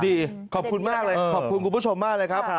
ขอบคุณมากเลยขอบคุณคุณผู้ชมมากเลยครับ